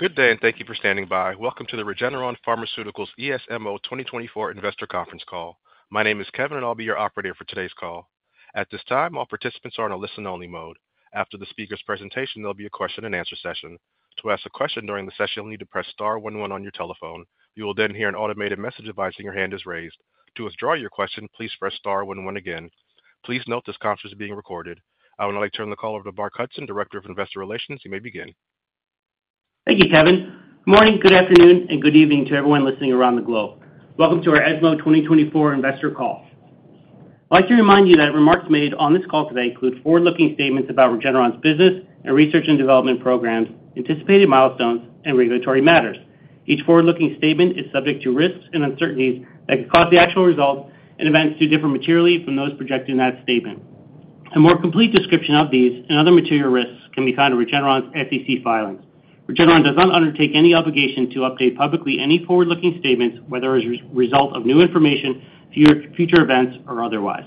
Good day, and thank you for standing by. Welcome to the Regeneron Pharmaceuticals ESMO 2024 Investor Conference Call. My name is Kevin, and I'll be your operator for today's call. At this time, all participants are in a listen-only mode. After the speaker's presentation, there'll be a question-and-answer session. To ask a question during the session, you'll need to press star one one on your telephone. You will then hear an automated message advising your hand is raised. To withdraw your question, please press star one one again. Please note this conference is being recorded. I would now like to turn the call over to Mark Hudson, Director of Investor Relations. You may begin. Thank you, Kevin. Good morning, good afternoon, and good evening to everyone listening around the globe. Welcome to our ESMO 2024 Investor Call. I'd like to remind you that remarks made on this call today include forward-looking statements about Regeneron's business and research and development programs, anticipated milestones, and regulatory matters. Each forward-looking statement is subject to risks and uncertainties that could cause the actual results and events to differ materially from those projected in that statement. A more complete description of these and other material risks can be found in Regeneron's SEC filings. Regeneron does not undertake any obligation to update publicly any forward-looking statements, whether as a result of new information, future events, or otherwise.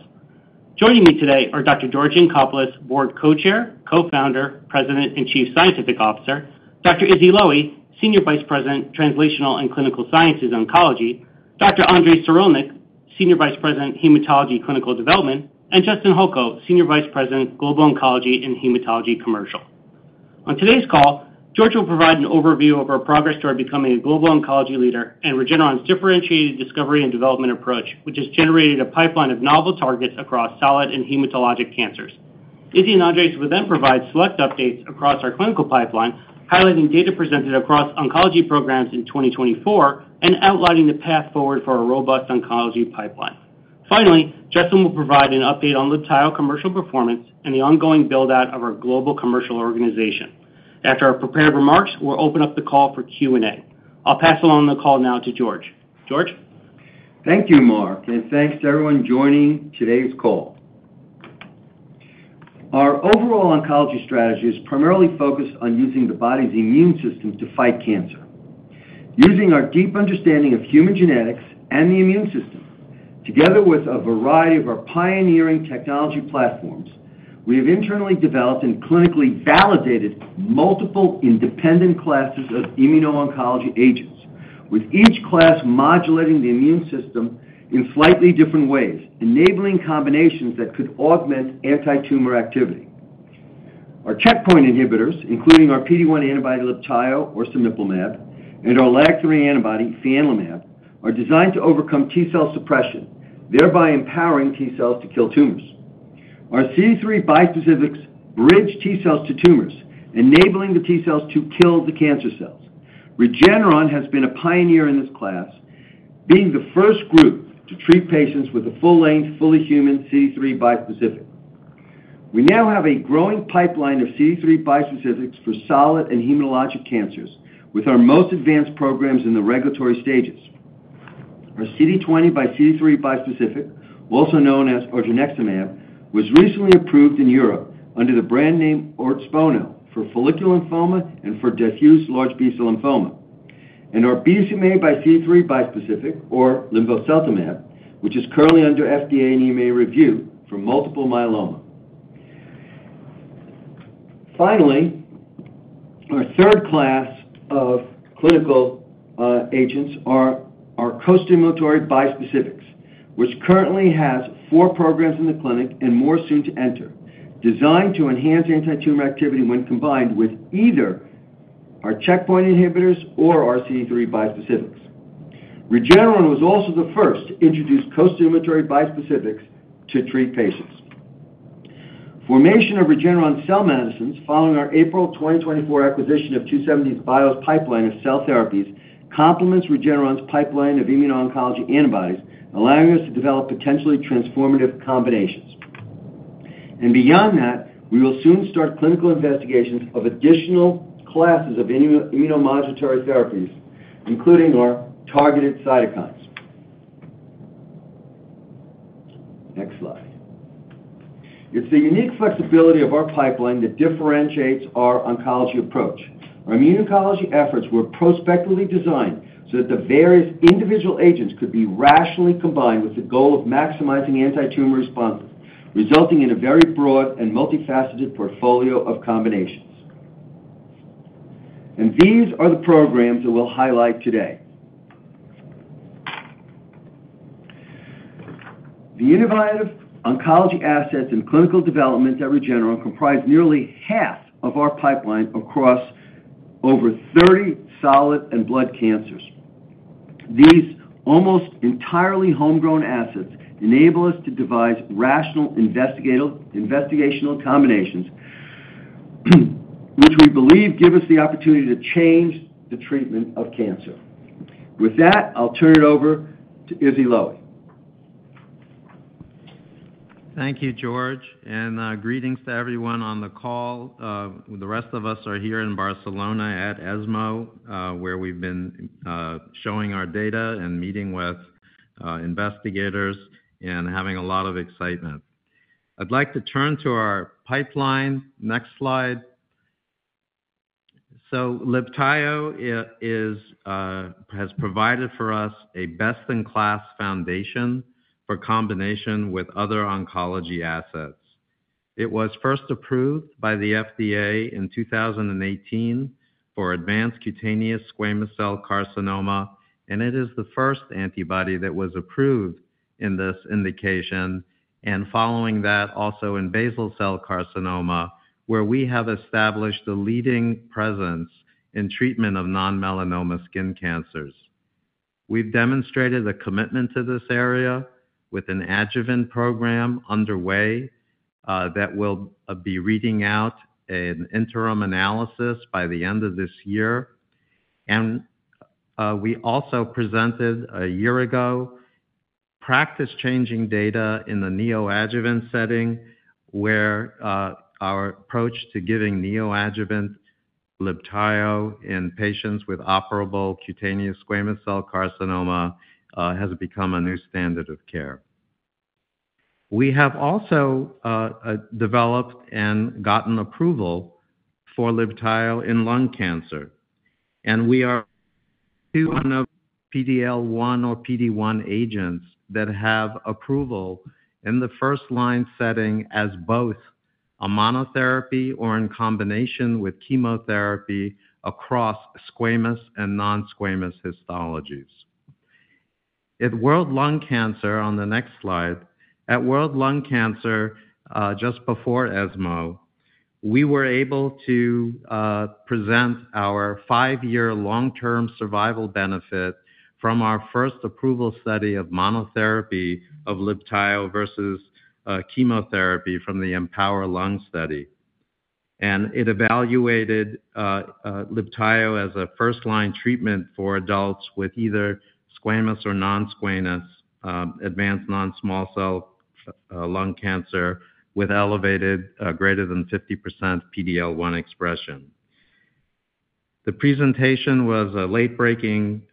Joining me today are Dr. George Yancopoulos, Board Co-Chair, Co-Founder, President, and Chief Scientific Officer, Dr. Izzy Lowy, Senior Vice President, Translational and Clinical Sciences, Oncology, Dr. Andres Sirulnik, Senior Vice President, Hematology Clinical Development, and Justin Holko, Senior Vice President, Global Oncology and Hematology Commercial. On today's call, George will provide an overview of our progress toward becoming a global oncology leader and Regeneron's differentiated discovery and development approach, which has generated a pipeline of novel targets across solid and hematologic cancers. Izzy and Andres will then provide select updates across our clinical pipeline, highlighting data presented across oncology programs in 2024 and outlining the path forward for our robust oncology pipeline. Finally, Justin will provide an update on Libtayo commercial performance and the ongoing build-out of our global commercial organization. After our prepared remarks, we'll open up the call for Q&A. I'll pass along the call now to George. George? Thank you, Mark, and thanks to everyone joining today's call. Our overall oncology strategy is primarily focused on using the body's immune system to fight cancer. Using our deep understanding of human genetics and the immune system, together with a variety of our pioneering technology platforms, we have internally developed and clinically validated multiple independent classes of immuno-oncology agents, with each class modulating the immune system in slightly different ways, enabling combinations that could augment antitumor activity. Our checkpoint inhibitors, including our PD-L1 antibody Libtayo, or cemiplimab, and our LAG-3 antibody, fianlimab, are designed to overcome T-cell suppression, thereby empowering T-cells to kill tumors. Our CD3 bispecifics bridge T-cells to tumors, enabling the T-cells to kill the cancer cells. Regeneron has been a pioneer in this class, being the first group to treat patients with a full-length, fully human CD3 bispecific. We now have a growing pipeline of CD3 bispecifics for solid and hematologic cancers, with our most advanced programs in the regulatory stages. Our CD20xCD3 bispecific, also known as odronextamab, was recently approved in Europe under the brand name Ordspono for follicular lymphoma and for diffuse large B-cell lymphoma, and our BCMAxCD3 bispecific, or linvoseltamab, which is currently under FDA and EMA review for multiple myeloma. Finally, our third class of clinical agents are our costimulatory bispecifics, which currently has four programs in the clinic and more soon to enter, designed to enhance antitumor activity when combined with either our checkpoint inhibitors or our CD3 bispecifics. Regeneron was also the first to introduce costimulatory bispecifics to treat patients. Formation of Regeneron Cell Medicines, following our April twenty twenty-four acquisition of 2seventy bio's pipeline of cell therapies, complements Regeneron's pipeline of immuno-oncology antibodies, allowing us to develop potentially transformative combinations. And beyond that, we will soon start clinical investigations of additional classes of immuno, immunomodulatory therapies, including our targeted cytokines. Next slide. It's the unique flexibility of our pipeline that differentiates our oncology approach. Our immuno-oncology efforts were prospectively designed so that the various individual agents could be rationally combined with the goal of maximizing antitumor responses, resulting in a very broad and multifaceted portfolio of combinations. And these are the programs that we'll highlight today. The innovative oncology assets in clinical development at Regeneron comprise nearly half of our pipeline across over 30 solid and blood cancers. These almost entirely homegrown assets enable us to devise rational investigational combinations, which we believe give us the opportunity to change the treatment of cancer. With that, I'll turn it over to Izzy Lowy. Thank you, George, and greetings to everyone on the call. The rest of us are here in Barcelona at ESMO, where we've been showing our data and meeting with investigators and having a lot of excitement. I'd like to turn to our pipeline. Next slide. So Libtayo is has provided for us a best-in-class foundation for combination with other oncology assets. It was first approved by the FDA in 2018 for advanced cutaneous squamous cell carcinoma, and it is the first antibody that was approved in this indication. Following that, also in basal cell carcinoma, where we have established the leading presence in treatment of non-melanoma skin cancers. We've demonstrated a commitment to this area with an adjuvant program underway that will be reading out an interim analysis by the end of this year. And we also presented a year ago practice-changing data in the neoadjuvant setting, where our approach to giving neoadjuvant Libtayo in patients with operable cutaneous squamous cell carcinoma has become a new standard of care. We have also developed and gotten approval for Libtayo in lung cancer, and we are one of PD-L1 or PD-1 agents that have approval in the first-line setting as both a monotherapy or in combination with chemotherapy across squamous and non-squamous histologies. At World Lung Cancer, on the next slide, just before ESMO, we were able to present our five-year long-term survival benefit from our first approval study of monotherapy of Libtayo versus chemotherapy from the EMPOWER-Lung study. And it evaluated Libtayo as a first-line treatment for adults with either squamous or non-squamous advanced non-small cell lung cancer with elevated greater than 50% PD-L1 expression. The presentation was a late-breaking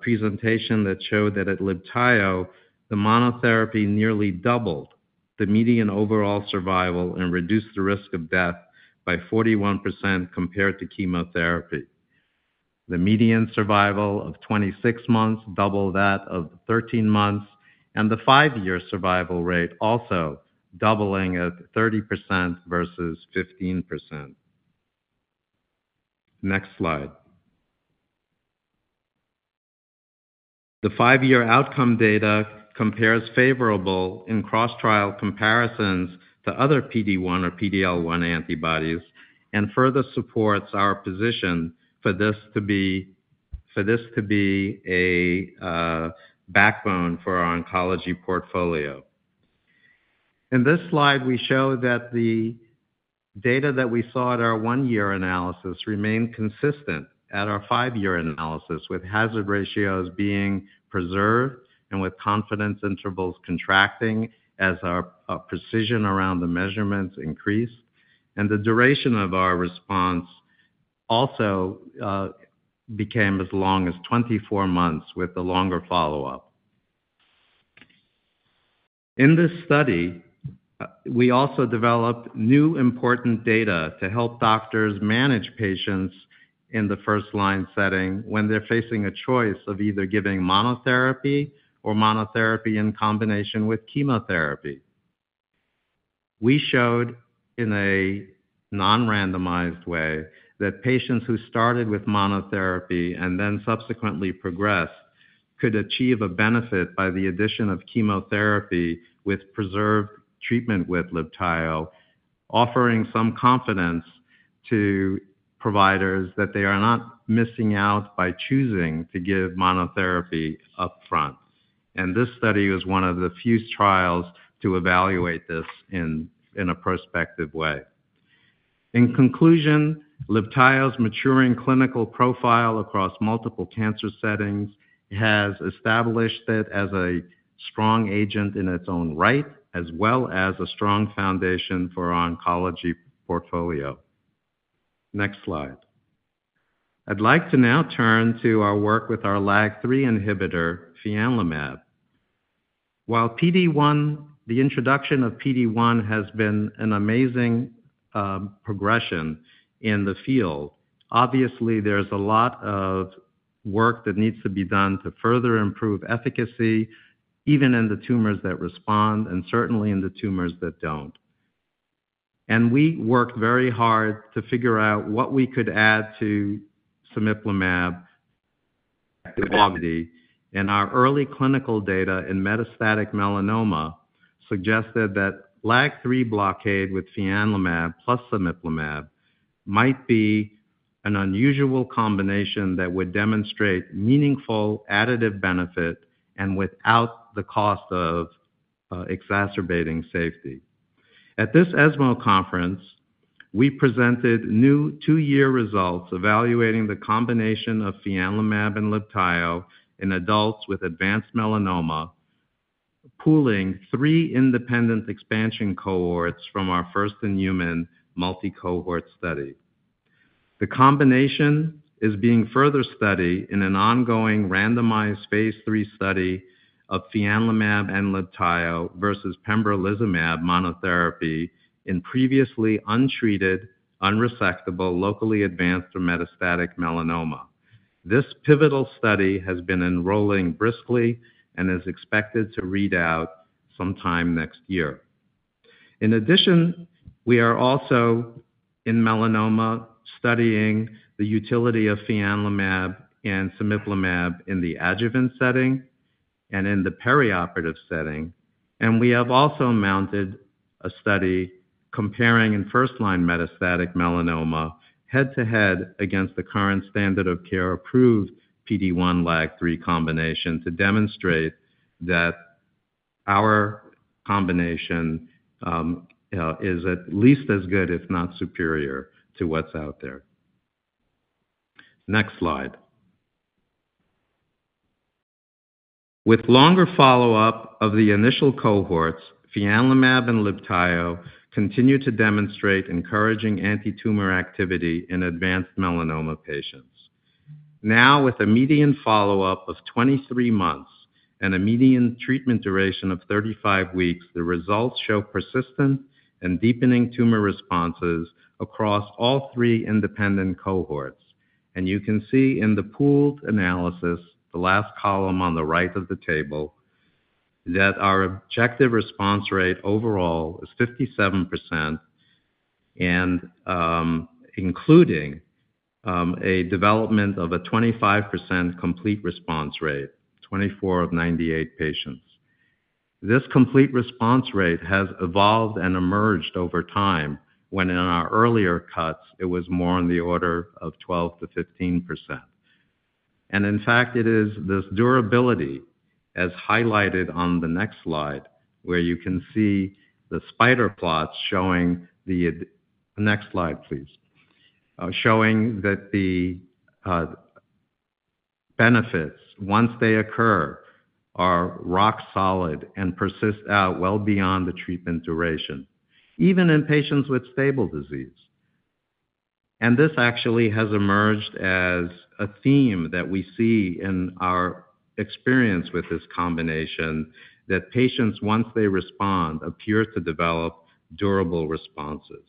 presentation that showed that at Libtayo the monotherapy nearly doubled the median overall survival and reduced the risk of death by 41% compared to chemotherapy. The median survival of 26 months, double that of 13 months, and the 5-year survival rate also doubling at 30% versus 15%. Next slide. The 5-year outcome data compares favorable in cross-trial comparisons to other PD-1 or PD-L1 antibodies and further supports our position for this to be a backbone for our oncology portfolio. In this slide, we show that the data that we saw at our one-year analysis remained consistent at our five-year analysis, with hazard ratios being preserved and with confidence intervals contracting as our precision around the measurements increased, and the duration of our response also became as long as 24 months with a longer follow-up. In this study we also developed new important data to help doctors manage patients in the first-line setting when they're facing a choice of either giving monotherapy or monotherapy in combination with chemotherapy. We showed in a non-randomized way that patients who started with monotherapy and then subsequently progressed, could achieve a benefit by the addition of chemotherapy with preserved treatment with Libtayo, offering some confidence to providers that they are not missing out by choosing to give monotherapy upfront. And this study was one of the few trials to evaluate this in a prospective way. In conclusion, Libtayo's maturing clinical profile across multiple cancer settings has established it as a strong agent in its own right, as well as a strong foundation for our oncology portfolio. Next slide. I'd like to now turn to our work with our LAG-3 inhibitor, fianlimab. While PD-L1, the introduction of PD-L1 has been an amazing progression in the field, obviously there's a lot of work that needs to be done to further improve efficacy, even in the tumors that respond, and certainly in the tumors that don't. And we worked very hard to figure out what we could add to cemiplimab. And our early clinical data in metastatic melanoma suggested that LAG-3 blockade with fianlimab plus cemiplimab might be an unusual combination that would demonstrate meaningful additive benefit and without the cost of exacerbating safety. At this ESMO conference, we presented new two-year results evaluating the combination of fianlimab and Libtayo in adults with advanced melanoma, pooling three independent expansion cohorts from our first-in-human multi-cohort study. The combination is being further studied in an ongoing randomized phase III study of fianlimab and Libtayo versus pembrolizumab monotherapy in previously untreated, unresectable, locally advanced or metastatic melanoma. This pivotal study has been enrolling briskly and is expected to read out sometime next year. In addition, we are also in melanoma, studying the utility of fianlimab and cemiplimab in the adjuvant setting and in the perioperative setting. And we have also mounted a study comparing in first-line metastatic melanoma head-to-head against the current standard of care approved PD-L1/LAG-3 combination, to demonstrate that our combination is at least as good, if not superior, to what's out there. Next slide. With longer follow-up of the initial cohorts, fianlimab and Libtayo continue to demonstrate encouraging antitumor activity in advanced melanoma patients. Now, with a median follow-up of 23 months and a median treatment duration of 35 weeks, the results show persistent and deepening tumor responses across all three independent cohorts. And you can see in the pooled analysis, the last column on the right of the table, that our objective response rate overall is 57%, and including a development of a 25% complete response rate, 24 of 98 patients. This complete response rate has evolved and emerged over time, when in our earlier cuts it was more on the order of 12-15%. And in fact, it is this durability, as highlighted on the next slide, where you can see the spider plots. Next slide, please. Showing that the benefits, once they occur, are rock solid and persist out well beyond the treatment duration, even in patients with stable disease. And this actually has emerged as a theme that we see in our experience with this combination, that patients, once they respond, appear to develop durable responses.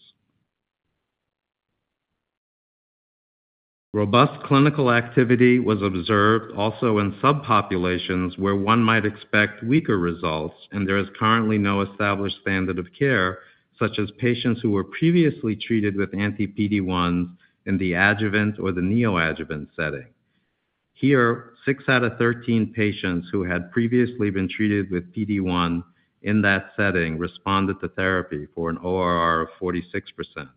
Robust clinical activity was observed also in subpopulations, where one might expect weaker results and there is currently no established standard of care, such as patients who were previously treated with anti-PD-L1 in the adjuvant or the neoadjuvant setting. Here, six out of 13 patients who had previously been treated with PD-L1 in that setting responded to therapy for an ORR of 46%.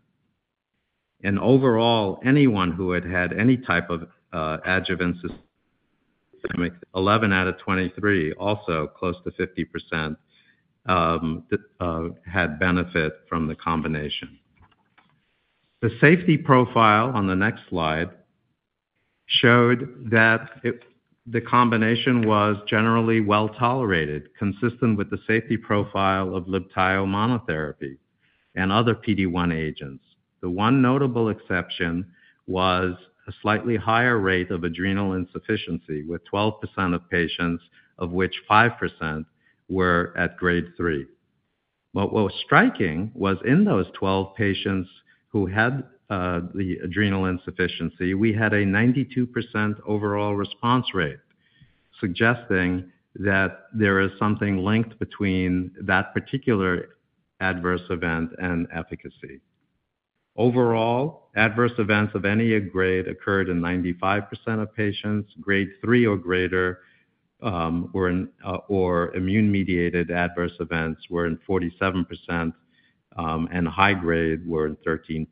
Overall, anyone who had had any type of adjuvant, 11 out of 23, also close to 50%, had benefit from the combination. The safety profile on the next slide showed that the combination was generally well tolerated, consistent with the safety profile of Libtayo monotherapy and other PD-L1 agents. The one notable exception was a slightly higher rate of adrenal insufficiency, with 12% of patients, of which 5% were at grade three. What was striking was in those 12 patients who had the adrenal insufficiency, we had a 92% overall response rate, suggesting that there is something linked between that particular adverse event and efficacy. Overall, adverse events of any grade occurred in 95% of patients. Grade three or greater or immune-mediated adverse events were in 47%, and high grade were in 13%.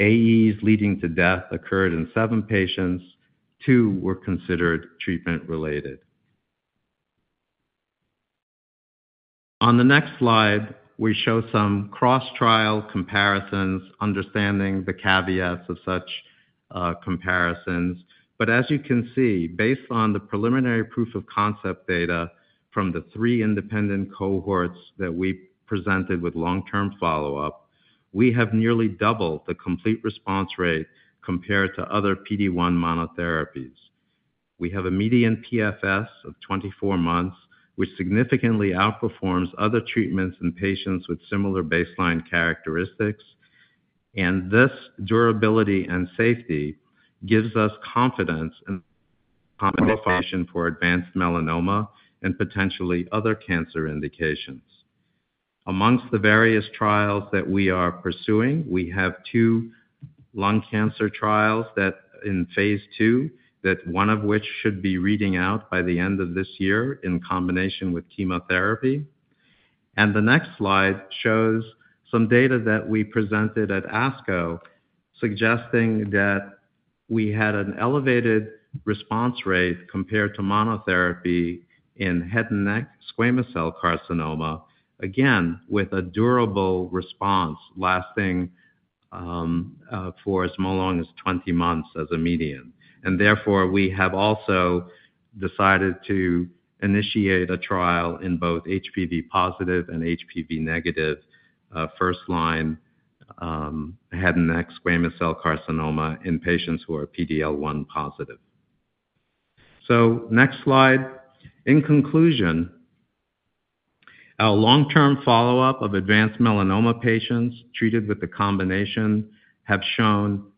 AEs leading to death occurred in 7 patients, two were considered treatment-related. On the next slide, we show some cross-trial comparisons, understanding the caveats of such comparisons, but as you can see, based on the preliminary proof of concept data from the three independent cohorts that we presented with long-term follow-up, we have nearly doubled the complete response rate compared to other PD-1 monotherapies. We have a median PFS of 24 months, which significantly outperforms other treatments in patients with similar baseline characteristics, and this durability and safety gives us confidence in... for advanced melanoma and potentially other cancer indications. Amongst the various trials that we are pursuing, we have two lung cancer trials that in phase two, that one of which should be reading out by the end of this year in combination with chemotherapy. And the next slide shows some data that we presented at ASCO, suggesting that we had an elevated response rate compared to monotherapy in head and neck squamous cell carcinoma, again, with a durable response lasting for as long as twenty months as a median. And therefore, we have also decided to initiate a trial in both HPV positive and HPV negative first-line head and neck squamous cell carcinoma in patients who are PD-L1 positive. So next slide. In conclusion, our long-term follow-up of advanced melanoma patients treated with the combination have shown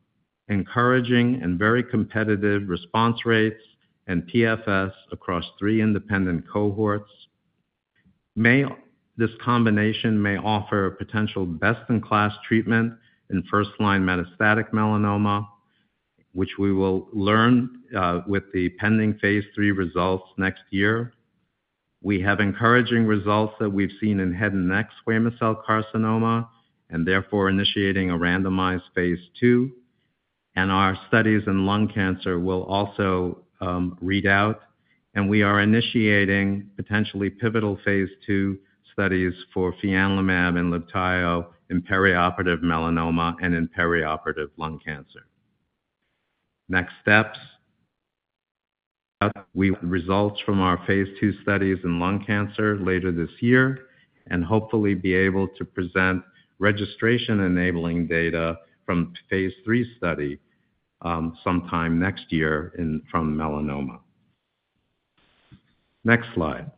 encouraging and very competitive response rates and PFS across three independent cohorts. This combination may offer a potential best-in-class treatment in first-line metastatic melanoma, which we will learn with the pending phase III results next year. We have encouraging results that we've seen in head and neck squamous cell carcinoma, and therefore, initiating a randomized phase II. Our studies in lung cancer will also read out, and we are initiating potentially pivotal phase II studies for fianlimab and Libtayo in perioperative melanoma and in perioperative lung cancer. Next steps, we results from our phase II studies in lung cancer later this year, and hopefully be able to present registration-enabling data from phase III study sometime next year in, from melanoma. Next slide.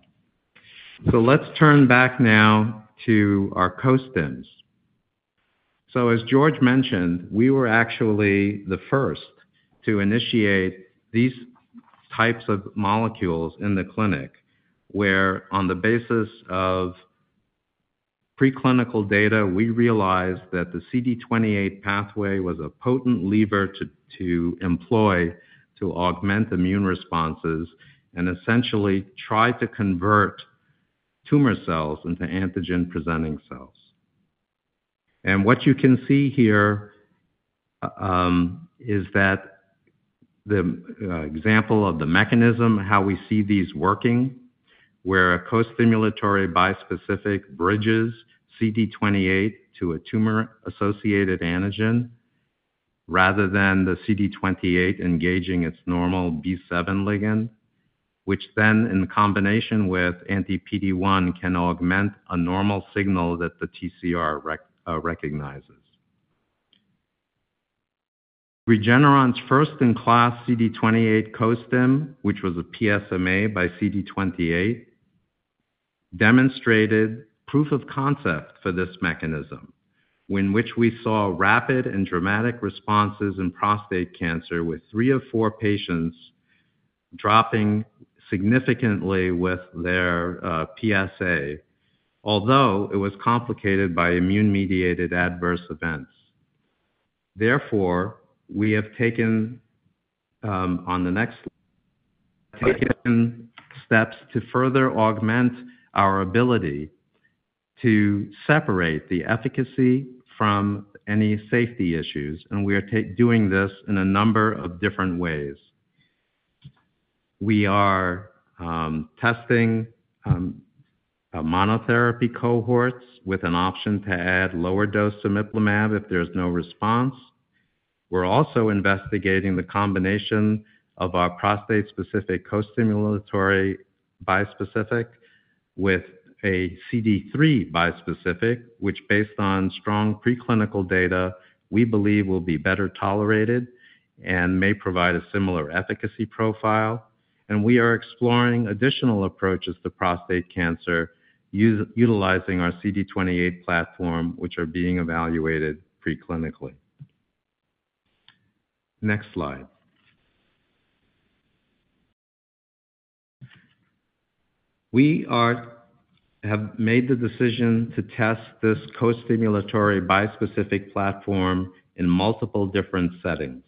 Let's turn back now to our costims. As George mentioned, we were actually the first to initiate these types of molecules in the clinic, where on the basis of preclinical data, we realized that the CD28 pathway was a potent lever to employ to augment immune responses and essentially try to convert tumor cells into antigen-presenting cells. What you can see here is that the example of the mechanism, how we see these working, where a costimulatory bispecific bridges CD28 to a tumor-associated antigen, rather than the CD28 engaging its normal B7 ligand, which then, in combination with anti-PD-1, can augment a normal signal that the TCR recognizes. Regeneron's first-in-class CD28 costim, which was a PSMA by CD28, demonstrated proof of concept for this mechanism, in which we saw rapid and dramatic responses in prostate cancer, with three of four patients dropping significantly with their PSA, although it was complicated by immune-mediated adverse events. Therefore, we have taken on the next steps to further augment our ability to separate the efficacy from any safety issues, and we are doing this in a number of different ways. We are testing a monotherapy cohorts with an option to add lower dose cemiplimab if there's no response. We're also investigating the combination of our prostate-specific costimulatory bispecific with a CD3 bispecific, which, based on strong preclinical data, we believe will be better tolerated and may provide a similar efficacy profile. We are exploring additional approaches to prostate cancer use, utilizing our CD28 platform, which are being evaluated preclinically. Next slide. We have made the decision to test this costimulatory bispecific platform in multiple different settings,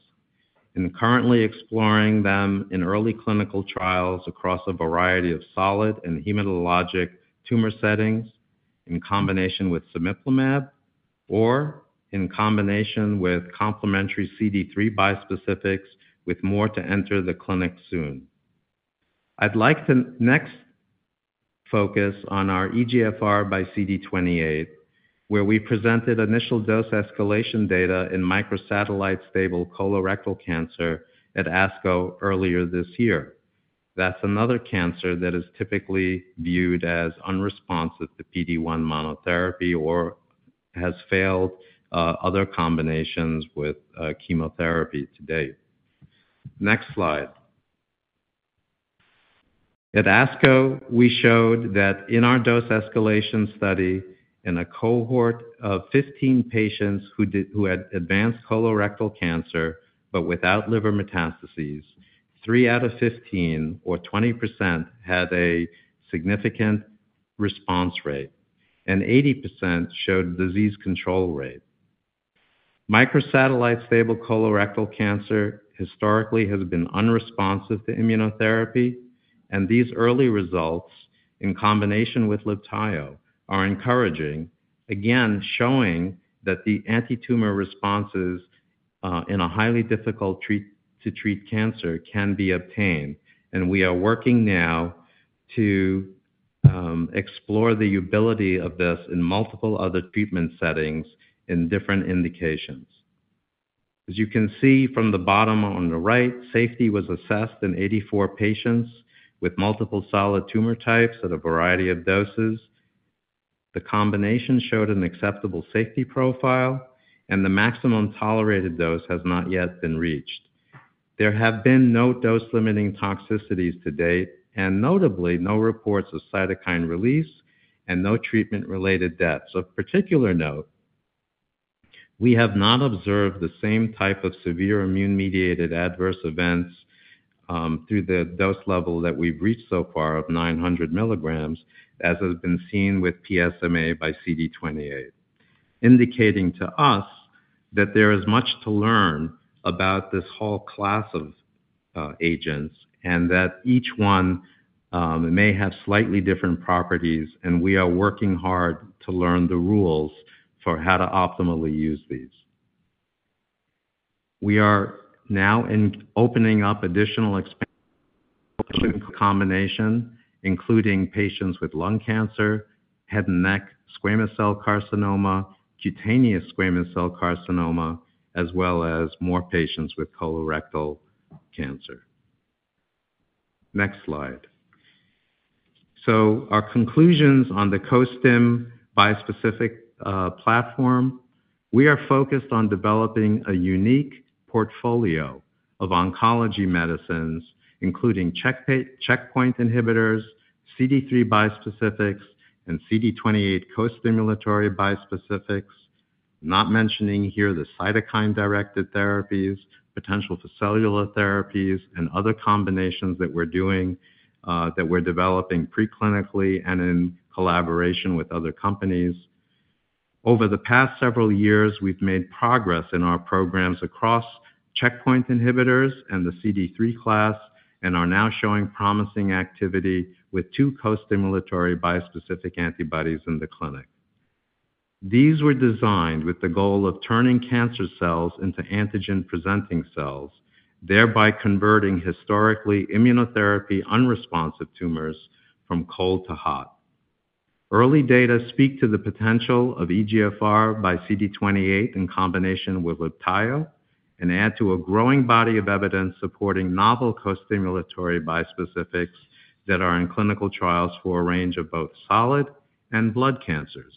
and currently exploring them in early clinical trials across a variety of solid and hematologic tumor settings, in combination with cemiplimab or in combination with complementary CD3 bispecifics, with more to enter the clinic soon. I'd like to next focus on our EGFR by CD28, where we presented initial dose escalation data in microsatellite stable colorectal cancer at ASCO earlier this year. That's another cancer that is typically viewed as unresponsive to PD-1 monotherapy or has failed other combinations with chemotherapy to date. Next slide. At ASCO, we showed that in our dose escalation study, in a cohort of 15 patients who had advanced colorectal cancer, but without liver metastases, three out of 15, or 20%, had a significant response rate, and 80% showed disease control rate. Microsatellite stable colorectal cancer historically has been unresponsive to immunotherapy, and these early results, in combination with Libtayo, are encouraging, again, showing that the antitumor responses in a highly difficult to treat cancer can be obtained, and we are working now to explore the ability of this in multiple other treatment settings in different indications. As you can see from the bottom on the right, safety was assessed in 84 patients with multiple solid tumor types at a variety of doses. The combination showed an acceptable safety profile, and the maximum tolerated dose has not yet been reached. There have been no dose-limiting toxicities to date, and notably, no reports of cytokine release and no treatment-related deaths. Of particular note, we have not observed the same type of severe immune-mediated adverse events through the dose level that we've reached so far of 900 milligrams, as has been seen with PSMA by CD28. Indicating to us that there is much to learn about this whole class of agents, and that each one may have slightly different properties, and we are working hard to learn the rules for how to optimally use these. We are now opening up additional expansion combination, including patients with lung cancer, head and neck squamous cell carcinoma, cutaneous squamous cell carcinoma, as well as more patients with colorectal cancer. Next slide. So our conclusions on the co-stim bispecific platform, we are focused on developing a unique portfolio of oncology medicines, including checkpoint inhibitors, CD3 bispecifics, and CD28 costimulatory bispecifics. Not mentioning here the cytokine-directed therapies, potential for cellular therapies, and other combinations that we're doing, that we're developing preclinically and in collaboration with other companies. Over the past several years, we've made progress in our programs across checkpoint inhibitors and the CD3 class, and are now showing promising activity with two costimulatory bispecific antibodies in the clinic. These were designed with the goal of turning cancer cells into antigen-presenting cells, thereby converting historically immunotherapy-unresponsive tumors from cold to hot. Early data speak to the potential of EGFR by CD28 in combination with Libtayo and add to a growing body of evidence supporting novel costimulatory bispecifics that are in clinical trials for a range of both solid and blood cancers.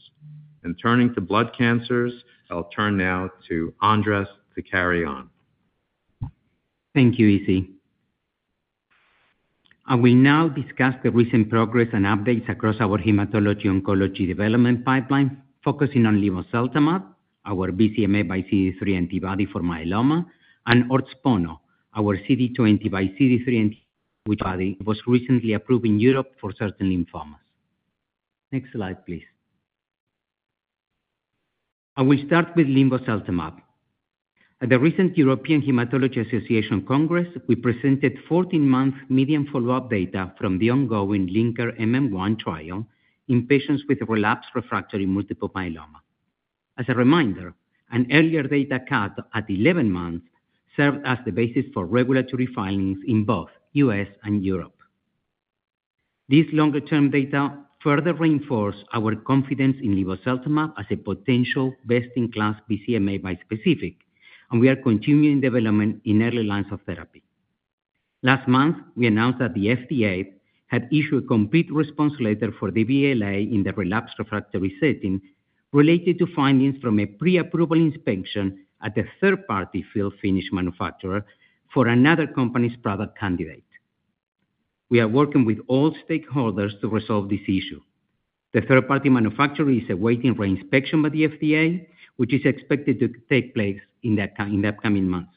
And turning to blood cancers, I'll turn now to Andres to carry on. Thank you, Izzy. I will now discuss the recent progress and updates across our hematology oncology development pipeline, focusing on linvoseltamab, our BCMA by CD3 antibody for myeloma, and Ordspono, our CD20 by CD3 and which was recently approved in Europe for certain lymphomas. Next slide, please. I will start with linvoseltamab. At the recent European Hematology Association Congress, we presented 14 month median follow-up data from the ongoing LINKER-MM1 trial in patients with relapsed refractory multiple myeloma. As a reminder, an earlier data cut at 11 months served as the basis for regulatory filings in both U.S. and Europe. This longer-term data further reinforce our confidence in linvoseltamab as a potential best-in-class BCMA bispecific, and we are continuing development in early lines of therapy. Last month, we announced that the FDA had issued a complete response letter for the BLA in the relapsed refractory setting, related to findings from a pre-approval inspection at a third-party field finish manufacturer for another company's product candidate. We are working with all stakeholders to resolve this issue. The third-party manufacturer is awaiting reinspection by the FDA, which is expected to take place in the upcoming months.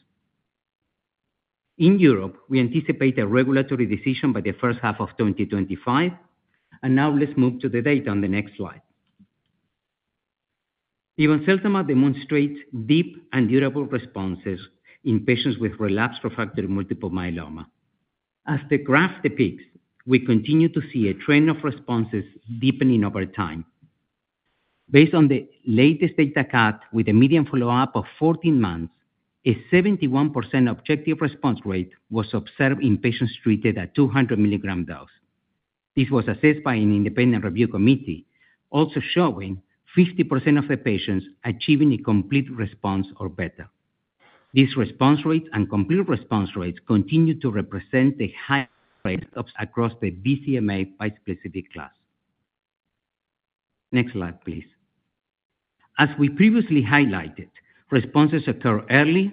In Europe, we anticipate a regulatory decision by the first half of 2025. Now let's move to the data on the next slide. Linvoseltamab demonstrates deep and durable responses in patients with relapsed refractory multiple myeloma. As the graph depicts, we continue to see a trend of responses deepening over time. Based on the latest data cut with a median follow-up of 14 months, a 71% objective response rate was observed in patients treated at 200 milligram dose. This was assessed by an independent review committee, also showing 50% of the patients achieving a complete response or better. These response rates and complete response rates continue to represent the highest rates across the BCMA bispecific class. Next slide, please. As we previously highlighted, responses occur early,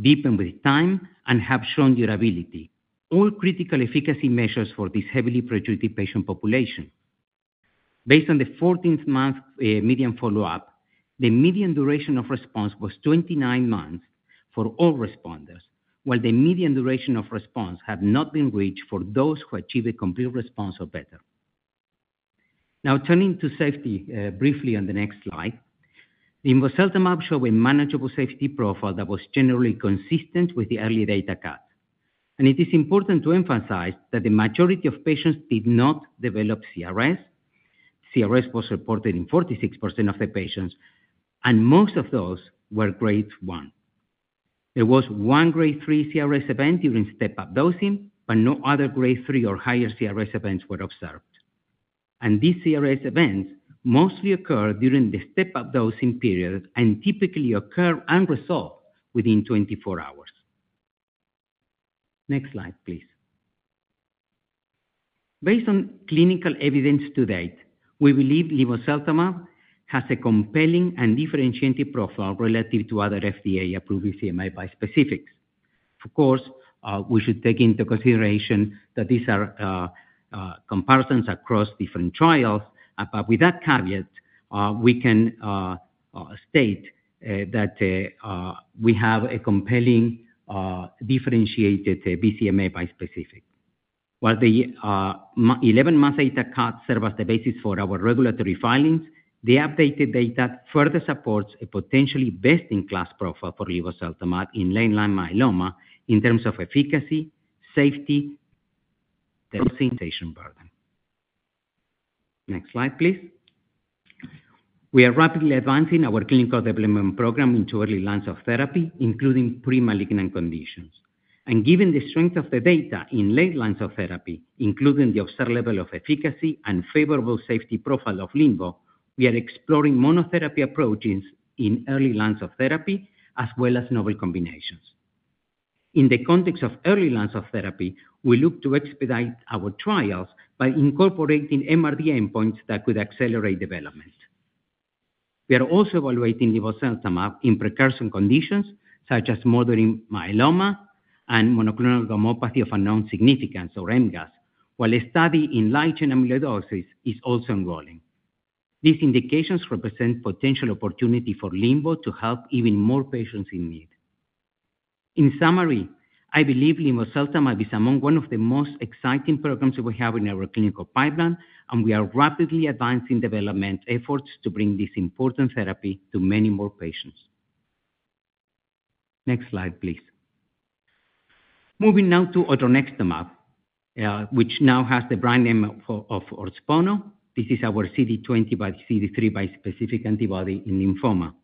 deepen with time, and have shown durability, all critical efficacy measures for this heavily pretreated patient population. Based on the 14th-month median follow-up, the median duration of response was 29 months for all responders, while the median duration of response had not been reached for those who achieved a complete response or better. Now, turning to safety, briefly on the next slide. Linvoseltamab showed a manageable safety profile that was generally consistent with the early data cut. And it is important to emphasize that the majority of patients did not develop CRS. CRS was reported in 46% of the patients, and most of those were grade one. There was one grade three CRS event during step-up dosing, but no other grade three or higher CRS events were observed, and these CRS events mostly occurred during the step-up dosing period and typically occur and resolve within 24 hours. Next slide, please. Based on clinical evidence to date, we believe linvoseltamab has a compelling and differentiated profile relative to other FDA-approved BCMA bispecifics. Of course, we should take into consideration that these are comparisons across different trials. But with that caveat, we can state that we have a compelling, differentiated BCMA bispecific. While the eleven-month data cut serve as the basis for our regulatory filings, the updated data further supports a potentially best-in-class profile for linvoseltamab in frontline myeloma in terms of efficacy, safety, and patient burden. Next slide, please. We are rapidly advancing our clinical development program into early lines of therapy, including pre-malignant conditions, and given the strength of the data in late lines of therapy, including the observed level of efficacy and favorable safety profile of linvoseltamab, we are exploring monotherapy approaches in early lines of therapy, as well as novel combinations. In the context of early lines of therapy, we look to expedite our trials by incorporating MRD endpoints that could accelerate development. We are also evaluating linvoseltamab in precursor conditions such as smoldering myeloma and monoclonal gammopathy of unknown significance, or MGUS, while a study in light chain amyloidosis is also enrolling. These indications represent potential opportunity for linvoseltamab to help even more patients in need. In summary, I believe linvoseltamab is among one of the most exciting programs we have in our clinical pipeline, and we are rapidly advancing development efforts to bring this important therapy to many more patients. Next slide, please. Moving now to odronextamab, which now has the brand name of Ordspono. This is our CD20xCD3 bispecific antibody in lymphoma.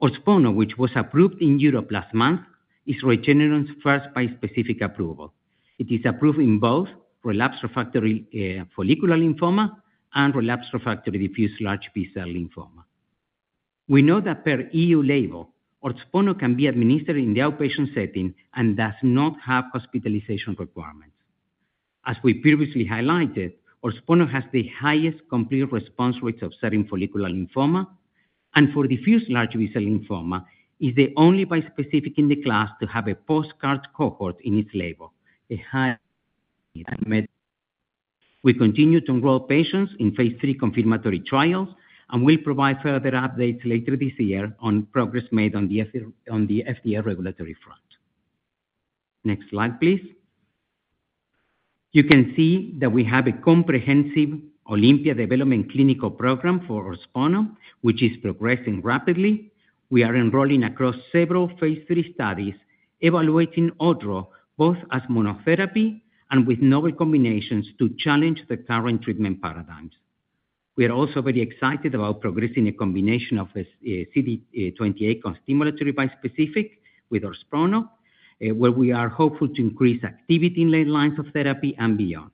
Ordspono, which was approved in Europe last month, is Regeneron's first bispecific approval. It is approved in both relapsed refractory follicular lymphoma and relapsed refractory diffuse large B-cell lymphoma. We know that per EU label, Ordspono can be administered in the outpatient setting and does not have hospitalization requirements. As we previously highlighted, Ordspono has the highest complete response rates observed in follicular lymphoma, and for diffuse large B-cell lymphoma, is the only bispecific in the class to have a post-CAR-T cohort in its label, a high unmet need. We continue to enroll patients in phase three confirmatory trials, and we'll provide further updates later this year on progress made on the FDA regulatory front. Next slide, please. You can see that we have a comprehensive odronextamab development clinical program for Ordspono, which is progressing rapidly. We are enrolling across several phase three studies, evaluating odronextamab, both as monotherapy and with novel combinations to challenge the current treatment paradigms. We are also very excited about progressing a combination of this, CD twenty-eight costimulatory bispecific with Ordspono, where we are hopeful to increase activity in late lines of therapy and beyond.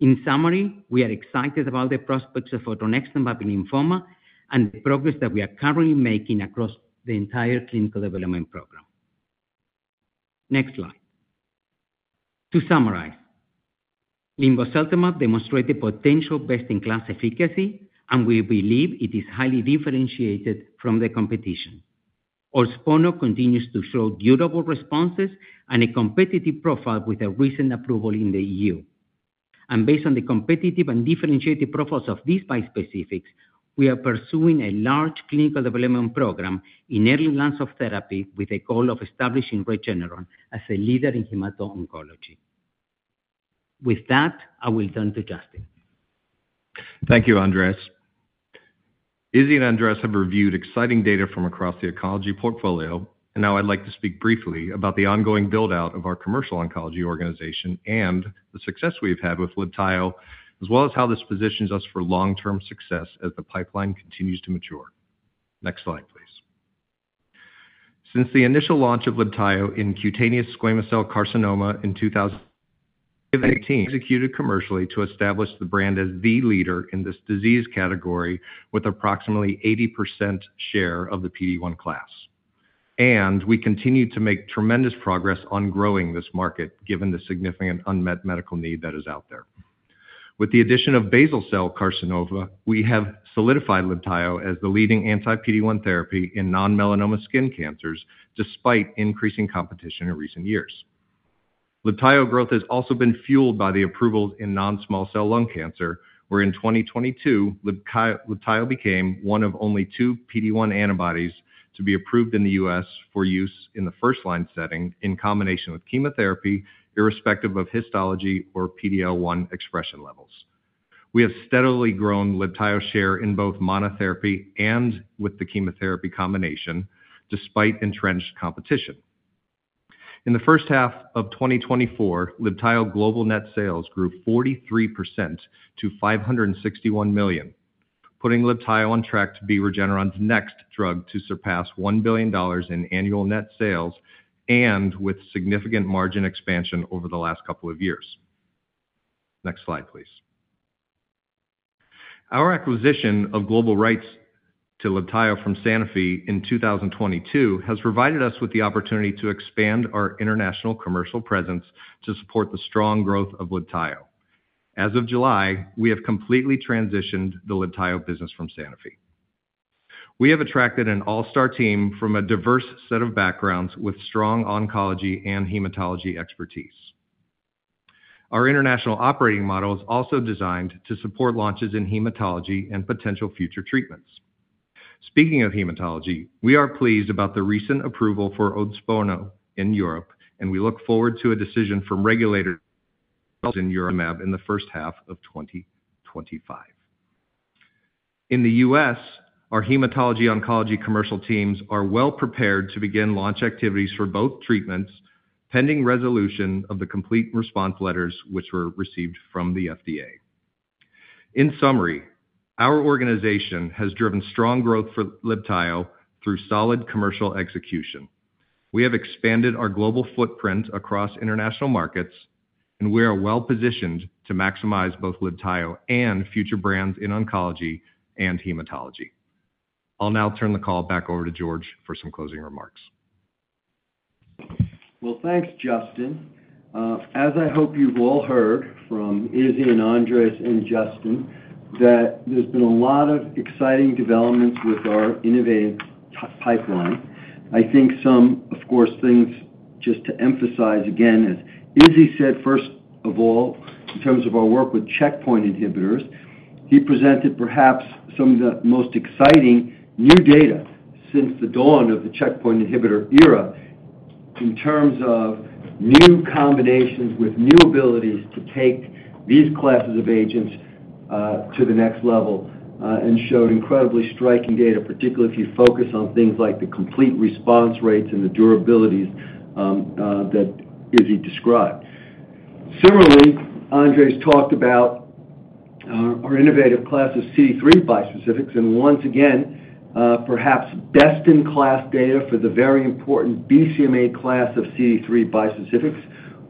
In summary, we are excited about the prospects of odronextamab in lymphoma and the progress that we are currently making across the entire clinical development program. Next slide. To summarize, linvoseltamab demonstrate the potential best-in-class efficacy, and we believe it is highly differentiated from the competition. Ordspono continues to show durable responses and a competitive profile with a recent approval in the EU. And based on the competitive and differentiated profiles of these bispecifics, we are pursuing a large clinical development program in early lines of therapy with a goal of establishing Regeneron as a leader in hemato-oncology. With that, I will turn to Justin. Thank you, Andres. Izzy and Andres have reviewed exciting data from across the oncology portfolio, and now I'd like to speak briefly about the ongoing build-out of our commercial oncology organization and the success we've had with Libtayo, as well as how this positions us for long-term success as the pipeline continues to mature. Next slide, please. Since the initial launch of Libtayo in cutaneous squamous cell carcinoma in two thousand and eighteen, executed commercially to establish the brand as the leader in this disease category with approximately 80% share of the PD-1 class, and we continue to make tremendous progress on growing this market, given the significant unmet medical need that is out there. With the addition of basal cell carcinoma, we have solidified Libtayo as the leading anti-PD-1 therapy in non-melanoma skin cancers, despite increasing competition in recent years. Libtayo growth has also been fueled by the approvals in non-small cell lung cancer, where in 2022, Libtayo- Libtayo became one of only two PD-1 antibodies to be approved in the U.S. for use in the first-line setting in combination with chemotherapy, irrespective of histology or PD-L1 expression levels. We have steadily grown Libtayo share in both monotherapy and with the chemotherapy combination, despite entrenched competition. In the first half of 2024, Libtayo global net sales grew 43% to $561 million, putting Libtayo on track to be Regeneron's next drug to surpass $1 billion in annual net sales and with significant margin expansion over the last couple of years. Next slide, please. Our acquisition of global rights to Libtayo from Sanofi in 2022 has provided us with the opportunity to expand our international commercial presence to support the strong growth of Libtayo. As of July, we have completely transitioned the Libtayo business from Sanofi. We have attracted an all-star team from a diverse set of backgrounds with strong oncology and hematology expertise. Our international operating model is also designed to support launches in hematology and potential future treatments. Speaking of hematology, we are pleased about the recent approval for Ordspono in Europe, and we look forward to a decision from regulators on odronextamab in the first half of 2025. In the US, our hematology oncology commercial teams are well prepared to begin launch activities for both treatments, pending resolution of the complete response letters, which were received from the FDA. In summary, our organization has driven strong growth for Libtayo through solid commercial execution. We have expanded our global footprint across international markets, and we are well-positioned to maximize both Libtayo and future brands in oncology and hematology. I'll now turn the call back over to George for some closing remarks. Well, thanks, Justin. As I hope you've all heard from Izzy and Andres and Justin, that there's been a lot of exciting developments with our innovative pipeline. I think some, of course, things just to emphasize again, as Izzy said, first of all, in terms of our work with checkpoint inhibitors, he presented perhaps some of the most exciting new data since the dawn of the checkpoint inhibitor era, in terms of new combinations with new abilities to take these classes of agents to the next level, and showed incredibly striking data, particularly if you focus on things like the complete response rates and the durabilities that Izzy described. Similarly, Andres talked about our innovative class of CD3 bispecifics, and once again, perhaps best-in-class data for the very important BCMA class of CD3 bispecifics,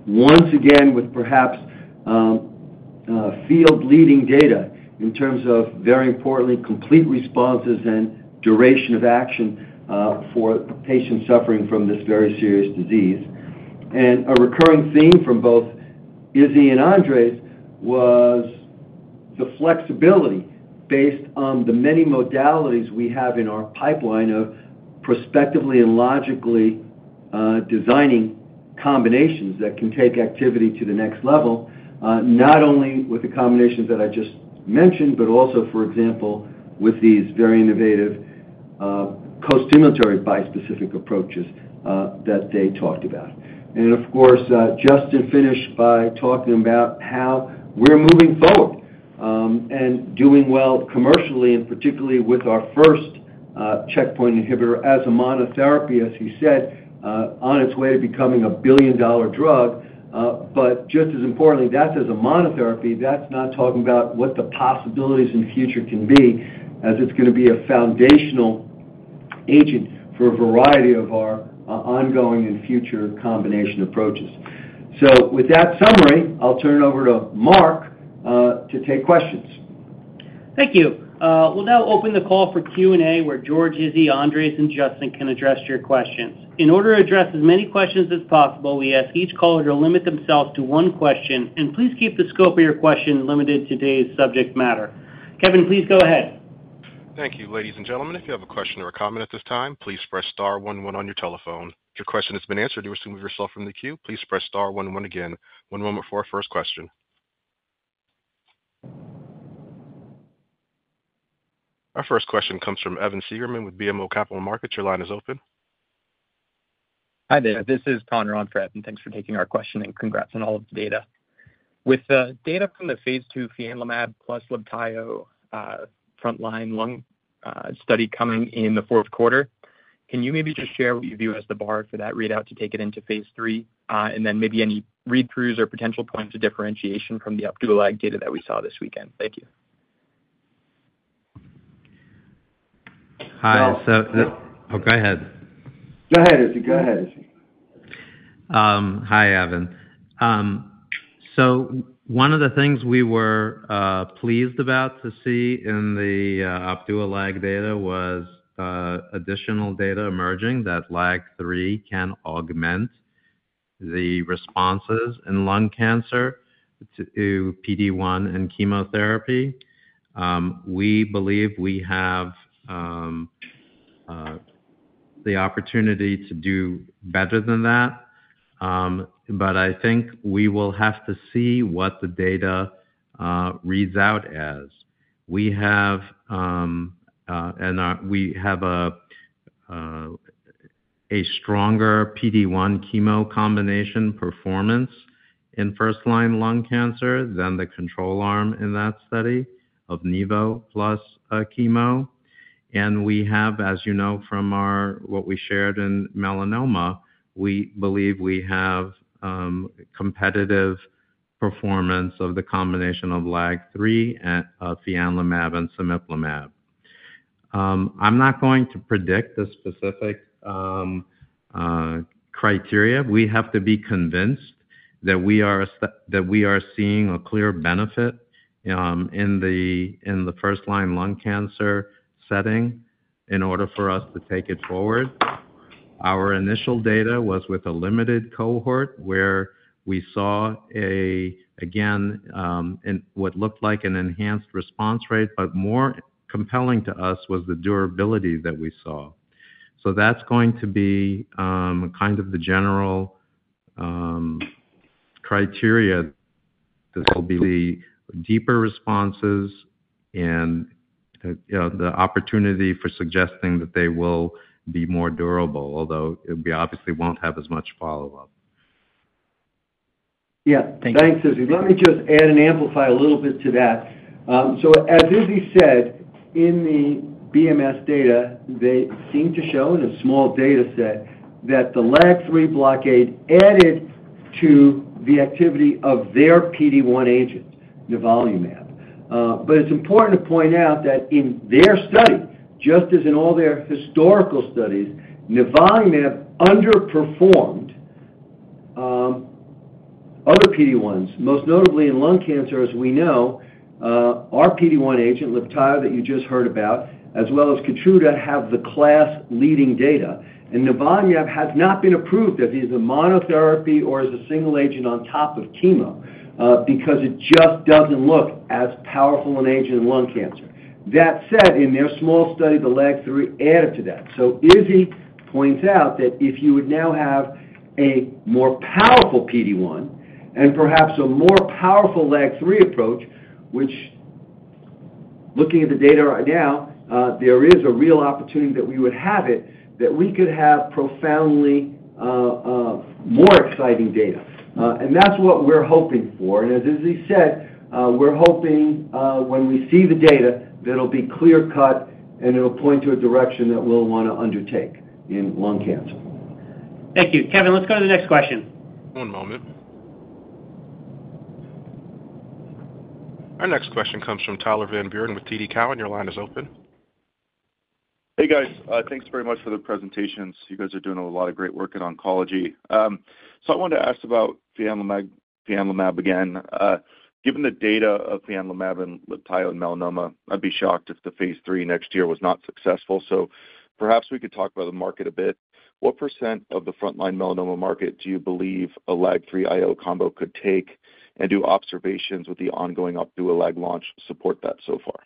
once again, with perhaps field-leading data in terms of, very importantly, complete responses and duration of action, for patients suffering from this very serious disease. And a recurring theme from both Izzy and Andres was the flexibility based on the many modalities we have in our pipeline of prospectively and logically designing combinations that can take activity to the next level, not only with the combinations that I just mentioned, but also, for example, with these very innovative costimulatory bispecific approaches that they talked about. And of course, Justin finished by talking about how we're moving forward, and doing well commercially, and particularly with our first checkpoint inhibitor as a monotherapy, as he said, on its way to becoming a billion-dollar drug. But just as importantly, that's as a monotherapy, that's not talking about what the possibilities in the future can be, as it's gonna be a foundational agent for a variety of our ongoing and future combination approaches. So with that summary, I'll turn it over to Mark to take questions. Thank you. We'll now open the call for Q&A, where George, Izzy, Andres, and Justin can address your questions. In order to address as many questions as possible, we ask each caller to limit themselves to one question, and please keep the scope of your question limited to today's subject matter. Kevin, please go ahead. Thank you. Ladies and gentlemen, if you have a question or a comment at this time, please press star one one on your telephone. If your question has been answered and you wish to remove yourself from the queue, please press star one one again. One moment for our first question. Our first question comes from Evan Segerman with BMO Capital Markets. Your line is open. Hi there, this is Conner Onfred, and thanks for taking our question, and congrats on all of the data. With the data from the phase II fianlimab plus Libtayo, frontline lung, study coming in the fourth quarter, can you maybe just share what you view as the bar for that readout to take it into phase III? And then maybe any read-throughs or potential points of differentiation from the Opdualag data that we saw this weekend. Thank you. Hi, so- Well- Oh, go ahead. Go ahead, Izzy. Go ahead, Izzy. Hi, Evan. So one of the things we were pleased about to see in the Opdualag data was additional data emerging that lag three can augment the responses in lung cancer to PD1 and chemotherapy. We believe we have the opportunity to do better than that, but I think we will have to see what the data reads out as. We have, and we have a stronger PD1 chemo combination performance in first-line lung cancer than the control arm in that study of nivo plus chemo. And we have, as you know from our, what we shared in melanoma, we believe we have competitive performance of the combination of lag three and fianlimab and cemiplimab.... I'm not going to predict the specific criteria. We have to be convinced that we are seeing a clear benefit in the first-line lung cancer setting in order for us to take it forward. Our initial data was with a limited cohort where we saw again what looked like an enhanced response rate, but more compelling to us was the durability that we saw. So that's going to be kind of the general criteria. This will be deeper responses and you know the opportunity for suggesting that they will be more durable, although we obviously won't have as much follow-up. Yeah. Thank you. Thanks, Izzy. Let me just add and amplify a little bit to that. So as Izzy said, in the BMS data, they seem to show in a small data set that the LAG-3 blockade added to the activity of their PD-1 agent, nivolumab. But it's important to point out that in their study, just as in all their historical studies, nivolumab underperformed other PD-1s. Most notably in lung cancer, as we know, our PD-1 agent, Libtayo, that you just heard about, as well as Keytruda, have the class-leading data. Nivolumab has not been approved as either monotherapy or as a single agent on top of chemo because it just doesn't look as powerful an agent in lung cancer. That said, in their small study, the LAG-3 added to that. So Izzy points out that if you would now have a more powerful PD-1 and perhaps a more powerful LAG-3 approach, which, looking at the data right now, there is a real opportunity that we would have it, that we could have profoundly more exciting data. And that's what we're hoping for. And as Izzy said, we're hoping when we see the data, that it'll be clear-cut, and it'll point to a direction that we'll wanna undertake in lung cancer. Thank you. Kevin, let's go to the next question. One moment. Our next question comes from Tyler Van Buren with TD Cowen. Your line is open. Hey, guys. Thanks very much for the presentations. You guys are doing a lot of great work in oncology. So I wanted to ask about fianlimab, fianlimab again. Given the data of fianlimab and Libtayo in melanoma, I'd be shocked if the phase III next year was not successful. Perhaps we could talk about the market a bit. What % of the frontline melanoma market do you believe a LAG-3 IO combo could take, and do observations with the ongoing Opdualag launch support that so far?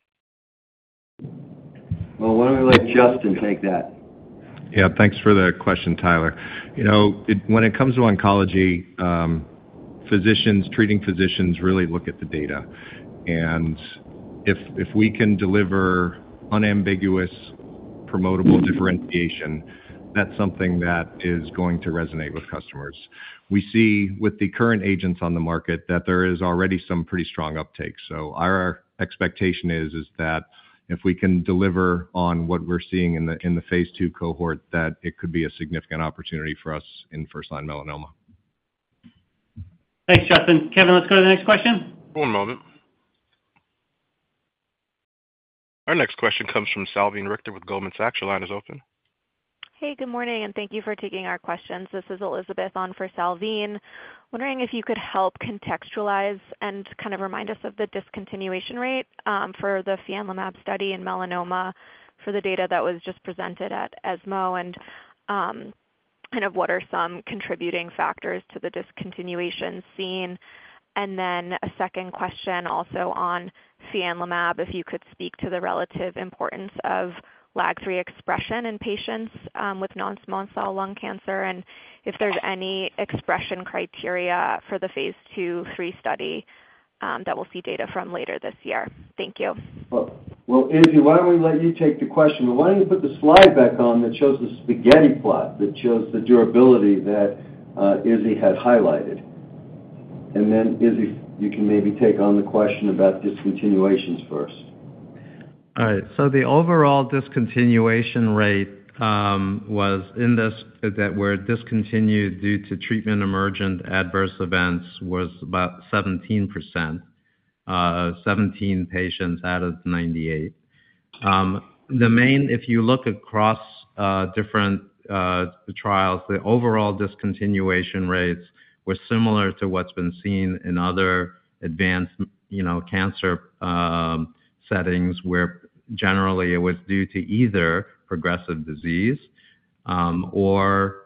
Why don't we let Justin take that? Yeah, thanks for the question, Tyler. You know, it when it comes to oncology, physicians, treating physicians really look at the data. And if we can deliver unambiguous, promotable differentiation, that's something that is going to resonate with customers. We see with the current agents on the market that there is already some pretty strong uptake. So our expectation is that if we can deliver on what we're seeing in the phase II cohort, that it could be a significant opportunity for us in first-line melanoma. Thanks, Justin. Kevin, let's go to the next question. One moment. Our next question comes from Salveen Richter with Goldman Sachs. Your line is open. Hey, good morning, and thank you for taking our questions. This is Elizabeth on for Salveen. Wondering if you could help contextualize and kind of remind us of the discontinuation rate, for the fianlimab study in melanoma, for the data that was just presented at ESMO, and, kind of what are some contributing factors to the discontinuation seen? And then a second question also on fianlimab, if you could speak to the relative importance of LAG-3 expression in patients, with non-small cell lung cancer, and if there's any expression criteria for the phase II/III study, that we'll see data from later this year. Thank you. Izzy, why don't we let you take the question? But why don't you put the slide back on that shows the spaghetti plot, that shows the durability that Izzy had highlighted. And then, Izzy, you can maybe take on the question about discontinuations first. All right. So the overall discontinuation rate was in this that were discontinued due to treatment emergent adverse events was about 17%, 17 out of 98. If you look across different trials, the overall discontinuation rates were similar to what's been seen in other advanced, you know, cancer settings, where generally it was due to either progressive disease or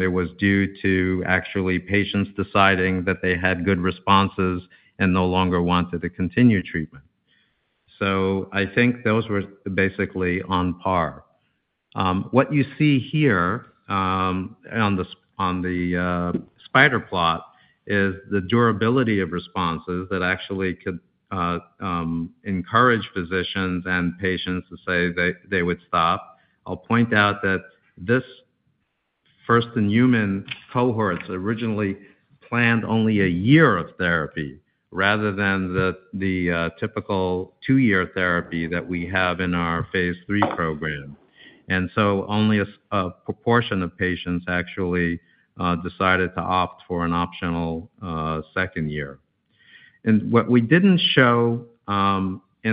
it was due to actually patients deciding that they had good responses and no longer wanted to continue treatment. So I think those were basically on par. What you see here on the spider plot is the durability of responses that actually could encourage physicians and patients to say they would stop. I'll point out that this first-in-human cohorts originally planned only a year of therapy rather than the typical two-year therapy that we have in our phase III program. So only a proportion of patients actually decided to opt for an optional second year. What we didn't show in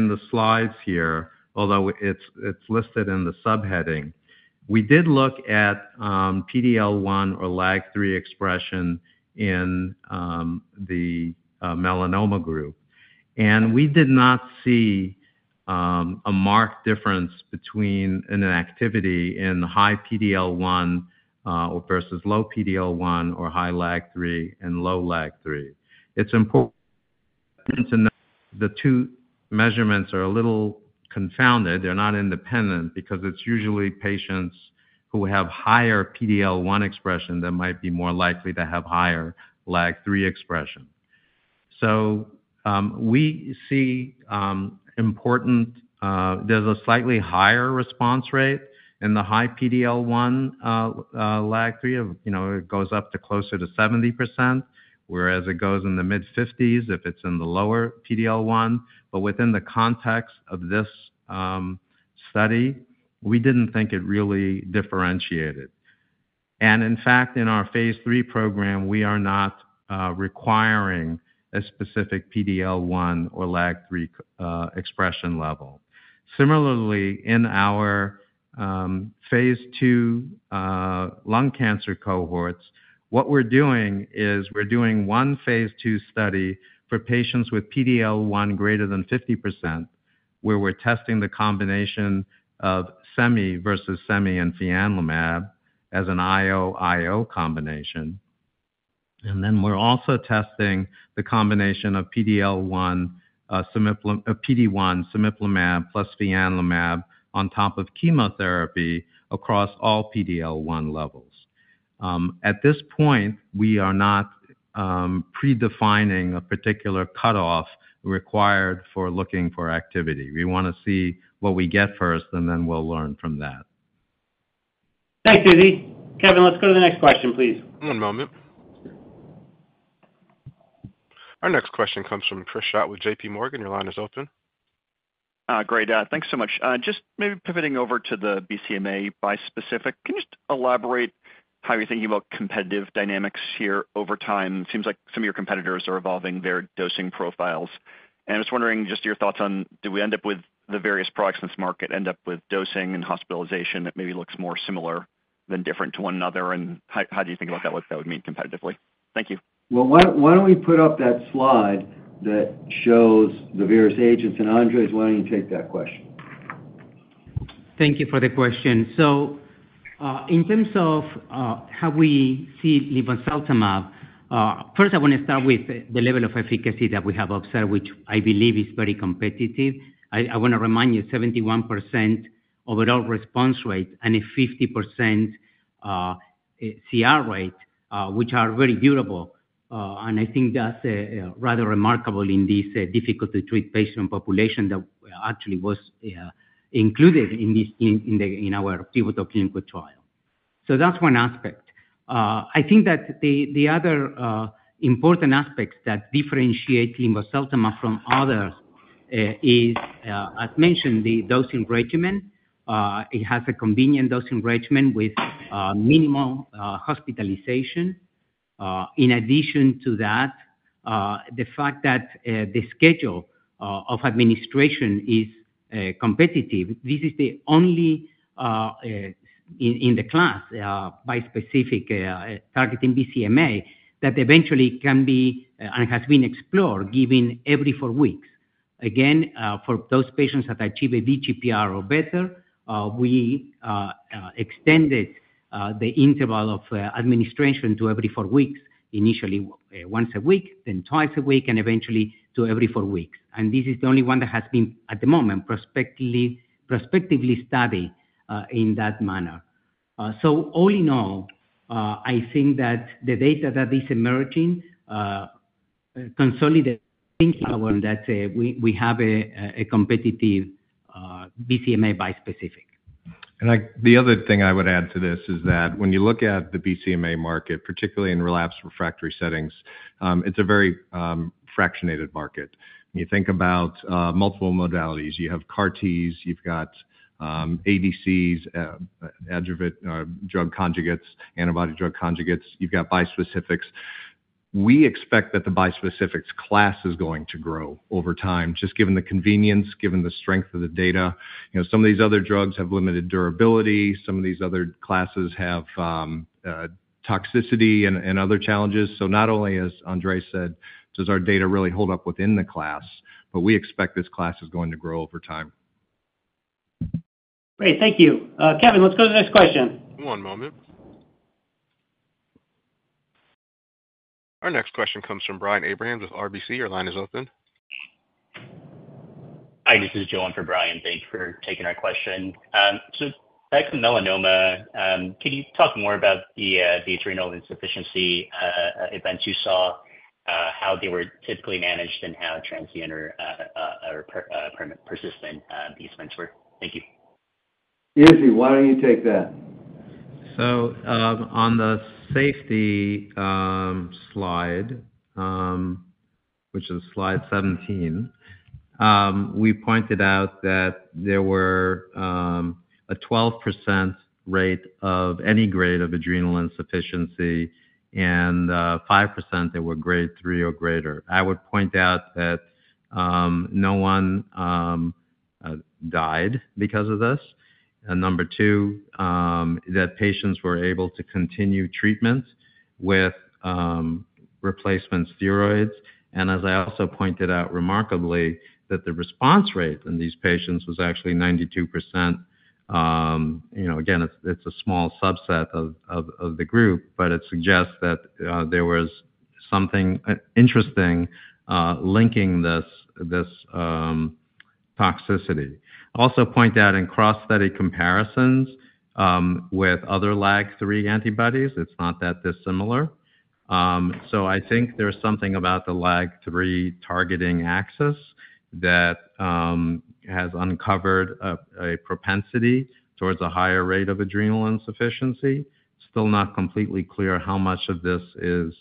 the slides here, although it's listed in the subheading. We did look at PD-L1 or LAG-3 expression in the melanoma group. We did not see a marked difference between an activity in the high PD-L1 versus low PD-L1, or high LAG-3 and low LAG-3. It's important to note the two measurements are a little confounded. They're not independent, because it's usually patients who have higher PD-L1 expression that might be more likely to have higher LAG-3 expression. So, we see important there's a slightly higher response rate in the high PD-L1, LAG-3 of, you know, it goes up to closer to 70%, whereas it goes in the mid-50s% if it's in the lower PD-L1. But within the context of this study, we didn't think it really differentiated. And in fact, in our phase III program, we are not requiring a specific PD-L1 or LAG-3 expression level. Similarly, in our phase II lung cancer cohorts, what we're doing is we're doing one phase 2 study for patients with PD-L1 greater than 50%, where we're testing the combination of semi versus semi and fianlimab as an IO/IO combination. And then we're also testing the combination of PD-1, cemiplimab plus fianlimab on top of chemotherapy across all PD-L1 levels. At this point, we are not predefining a particular cutoff required for looking for activity. We want to see what we get first, and then we'll learn from that. Thanks, Izzy. Kevin, let's go to the next question, please. One moment. Our next question comes from Chris Schott with J.P. Morgan. Your line is open. Great. Thanks so much. Just maybe pivoting over to the BCMA bispecific. Can you just elaborate how you're thinking about competitive dynamics here over time? It seems like some of your competitors are evolving their dosing profiles. And I'm just wondering, just your thoughts on do we end up with the various products in this market, end up with dosing and hospitalization that maybe looks more similar than different to one another? And how do you think about what that would mean competitively? Thank you. Why don't we put up that slide that shows the various agents, and Andres, why don't you take that question? Thank you for the question. In terms of how we see linvoseltamab, first, I want to start with the level of efficacy that we have observed, which I believe is very competitive. I want to remind you, 71% overall response rate and a 50% CR rate, which are very durable. And I think that's rather remarkable in this difficult to treat patient population that actually was included in our pivotal clinical trial. That's one aspect. I think that the other important aspects that differentiate linvoseltamab from others is, as mentioned, the dosing regimen. It has a convenient dosing regimen with minimal hospitalization. In addition to that, the fact that the schedule of administration is competitive. This is the only in the class bispecific targeting BCMA that eventually can be and has been explored given every four weeks. Again for those patients that achieve a VGPR or better we extended the interval of administration to every four weeks initially once a week then twice a week and eventually to every four weeks. And this is the only one that has been at the moment prospectively studied in that manner. So all in all I think that the data that is emerging consolidated in our that we have a competitive BCMA bispecific. And I, the other thing I would add to this is that when you look at the BCMA market, particularly in relapsed refractory settings, it's a very fragmented market. You think about multiple modalities. You have CAR-Ts, you've got ADCs, antibody drug conjugates, you've got bispecifics. We expect that the bispecifics class is going to grow over time, just given the convenience, given the strength of the data. You know, some of these other drugs have limited durability, some of these other classes have toxicity and other challenges. So not only, as Andres said, does our data really hold up within the class, but we expect this class is going to grow over time. Great. Thank you. Kevin, let's go to the next question. One moment. Our next question comes from Brian Abrahams with RBC. Your line is open. Hi, this is Brian from RBC. Thank you for taking our question. So back to melanoma, can you talk more about the adrenal insufficiency events you saw, how they were typically managed and how transient or persistent these events were? Thank you. Izzy, why don't you take that? On the safety slide, which is slide 17, we pointed out that there were a 12% rate of any grade of adrenal insufficiency and 5% that were grade three or greater. I would point out that no one died because of this. Number two, that patients were able to continue treatment with replacement steroids. As I also pointed out, remarkably, that the response rate in these patients was actually 92%. You know, again, it's a small subset of the group, but it suggests that there was something interesting linking this toxicity. Also point out in cross-study comparisons with other LAG-3 antibodies, it's not that dissimilar. So I think there's something about the LAG-3 targeting axis that has uncovered a propensity towards a higher rate of adrenal insufficiency. Still not completely clear how much of this is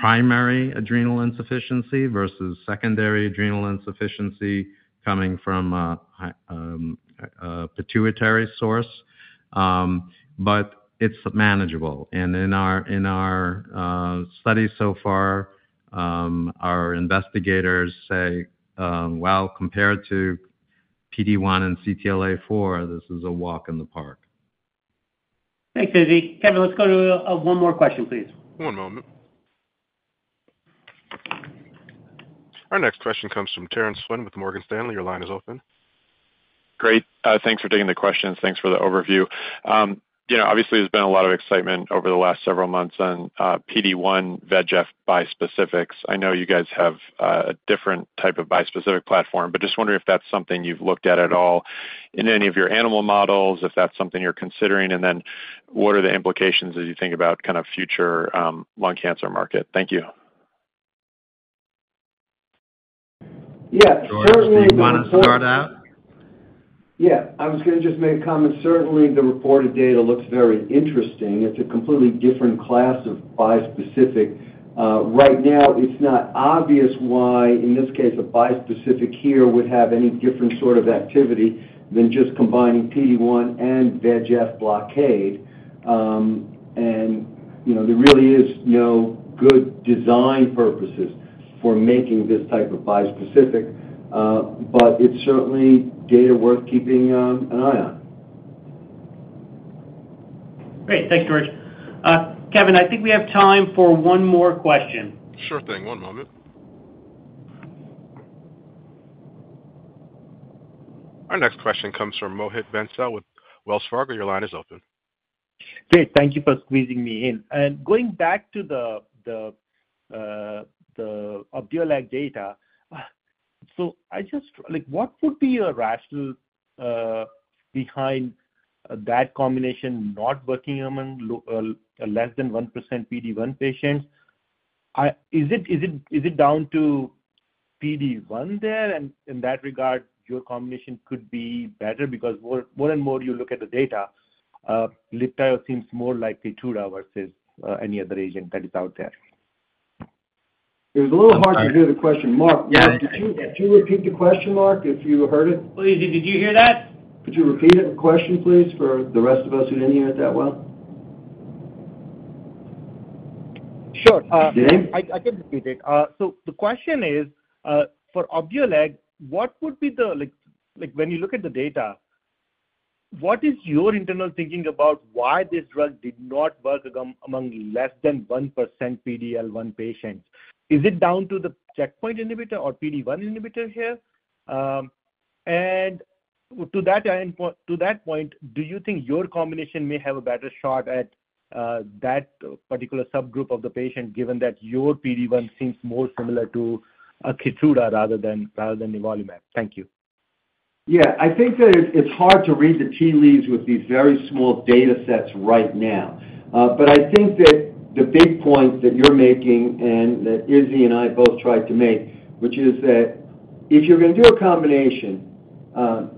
primary adrenal insufficiency versus secondary adrenal insufficiency coming from a pituitary source, but it's manageable. And in our studies so far, our investigators say well, compared to PD-1 and CTLA-4, this is a walk in the park. Thanks, Izzy. Kevin, let's go to one more question, please. One moment. Our next question comes from Terence Flynn with Morgan Stanley. Your line is open. Great. Thanks for taking the questions. Thanks for the overview. You know, obviously, there's been a lot of excitement over the last several months on PD-1, VEGF bispecifics. I know you guys have a different type of bispecific platform, but just wondering if that's something you've looked at, at all in any of your animal models, if that's something you're considering? And then, what are the implications as you think about kind of future lung cancer market? Thank you. Yeah, certainly- George, do you wanna start out? Yeah, I was gonna just make a comment. Certainly, the reported data looks very interesting. It's a completely different class of bispecific. Right now, it's not obvious why, in this case, a bispecific here would have any different sort of activity than just combining PD-1 and VEGF blockade. And, you know, there really is no good design purposes for making this type of bispecific, but it's certainly data worth keeping an eye on. Great. Thanks, George. Kevin, I think we have time for one more question. Sure thing. One moment. Our next question comes from Mohit Bansal with Wells Fargo. Your line is open. Great. Thank you for squeezing me in. And going back to the Opdualag data, so I just... Like, what would be your rationale behind that combination not working among less than 1% PD-1 patients? Is it down to PD-1 there? And in that regard, your combination could be better because more and more you look at the data, Libtayo seems more like Keytruda versus any other agent that is out there. It's a little hard to hear the question. Mark- Yeah. Could you repeat the question, Mark, if you heard it? Well, Izzy, did you hear that? Could you repeat it, the question, please, for the rest of us who didn't hear it that well? Sure. Can you? I can repeat it. So the question is, for Opdualag, what would be the like, when you look at the data, what is your internal thinking about why this drug did not work among less than 1% PD-L1 patients? Is it down to the checkpoint inhibitor or PD-1 inhibitor here? And to that point, do you think your combination may have a better shot at that particular subgroup of the patient, given that your PD-1 seems more similar to Keytruda rather than nivolumab? Thank you. Yeah. I think that it's hard to read the tea leaves with these very small data sets right now. But I think that the big points that you're making and that Izzy and I both tried to make, which is that if you're gonna do a combination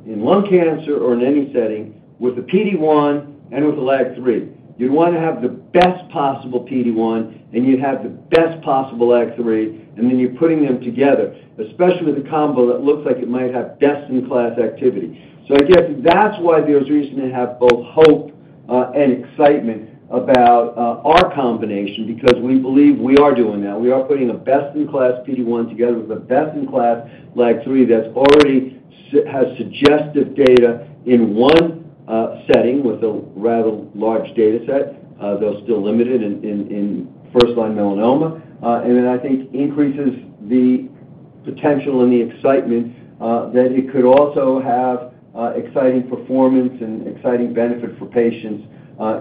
in lung cancer or in any setting with a PD-1 and with a LAG-3, you'd want to have the best possible PD-1, and you'd have the best possible LAG-3, and then you're putting them together, especially with a combo that looks like it might have best-in-class activity. So I guess that's why there's reason to have both hope and excitement about our combination, because we believe we are doing that. We are putting a best-in-class PD-1 together with a best-in-class LAG-3 that's already has suggestive data in one setting with a rather large data set, though still limited in first-line melanoma. And then I think increases the potential and the excitement that it could also have exciting performance and exciting benefit for patients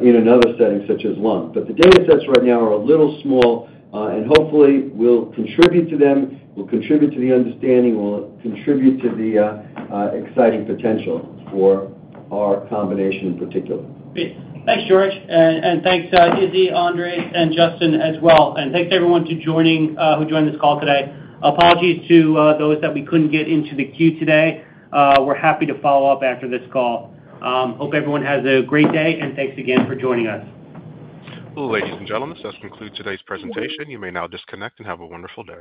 in another setting, such as lung. But the data sets right now are a little small, and hopefully we'll contribute to them, we'll contribute to the understanding, we'll contribute to the exciting potential for our combination in particular. Great. Thanks, George. And thanks, Izzy, Andres, and Justin as well. And thanks to everyone who joined this call today. Apologies to those that we couldn't get into the queue today. We're happy to follow up after this call. Hope everyone has a great day, and thanks again for joining us. Ladies and gentlemen, this concludes today's presentation. You may now disconnect and have a wonderful day.